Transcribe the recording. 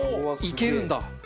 いけるんだ。